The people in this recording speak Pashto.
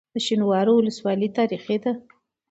د شینوارو ولسوالۍ تاریخي ده